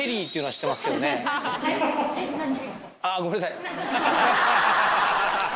あぁごめんなさい。